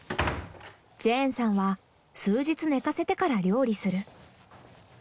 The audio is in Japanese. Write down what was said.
ジェーンさんは数日寝かせてから料理する。